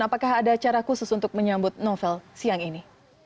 apakah ada cara khusus untuk menyambut novel siang ini